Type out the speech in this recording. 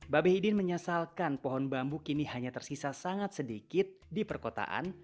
babehidin menyesalkan pohon bambu kini hanya tersisa sangat sedikit di perkotaan